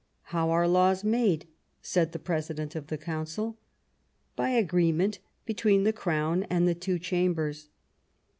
" How are laws made ?" said the President of the Council. " By agreement between the Crown and the two Chambers.